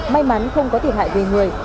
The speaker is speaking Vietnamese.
may mắn không có thiệt hại về người